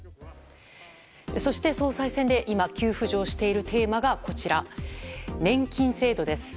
そして総裁選で今、急浮上しているテーマが年金制度です。